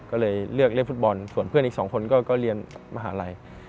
ก็เลยเลือกเล่นฟุตบอลส่วนเพื่อนอีก๒คนก็เรียนมหาลัย